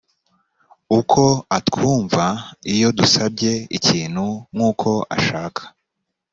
uko atwumva iyo dusabye ikintu nk uko ashaka